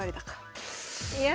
いや。